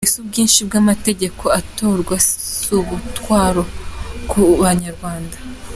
Ese ubwinshi bw’amategeko atorwa si umutwaro ku Banyarwanda?